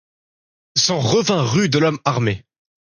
s’en revint rue de l’Homme-Armé.